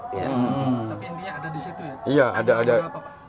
tapi intinya ada di situ ya